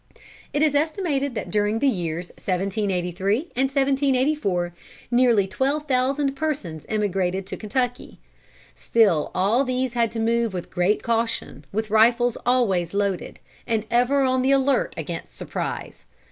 It is estimated that during the years 1783 and 1784 nearly twelve thousand persons emigrated to Kentucky. Still all these had to move with great caution, with rifles always loaded, and ever on the alert against surprise.